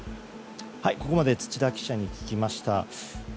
ここまで土田記者に聞きました。